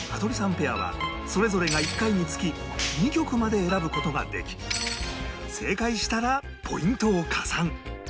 ペアはそれぞれが１回につき２曲まで選ぶ事ができ正解したらポイントを加算